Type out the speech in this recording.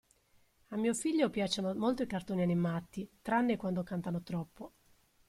A mio figlio piacciono molto i cartoni animati, tranne quando cantano troppo.